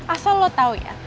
asal lo tau ya